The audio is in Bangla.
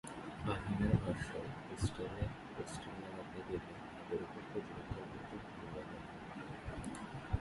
ফারহানের ভাষ্য, হোস্টেলে পোস্টার লাগাতে গেলে তাঁদের ওপর প্রতিপক্ষের লোকজন হামলা করেন।